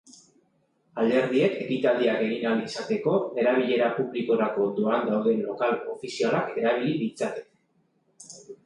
Alderdiek ekitaldiak egin ahal izateko erabilera publikorako doan dauden lokal ofizialak erabili ditzakete.